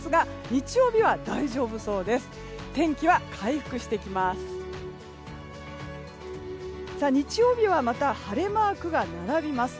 日曜日はまた晴れマークが並びます。